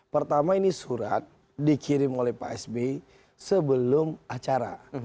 pertama ini surat dikirim oleh pak sby sebelum acara